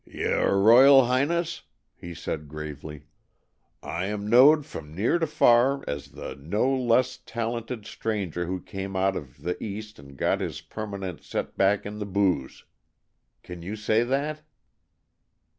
"Yer royal highness," he said gravely. "I am knowed from near to far as The No Less Talented Stranger Who Came Out Of the East and Got His Permanent Set back In the Booze. Can you say that?"